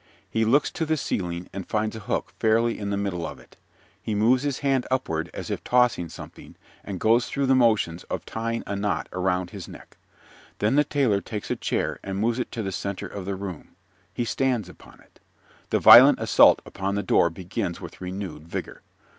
He looks to the ceiling and finds a hook fairly in the middle of it. He moves his hand upward as if tossing something, and goes through the motions of tying a knot around his neck. Then the Tailor takes a chair and moves it to the center of the room. He stands upon it. The violent assault upon the door begins with renewed vigor.